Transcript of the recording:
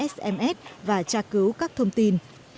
s m s và tra cứu các thông tin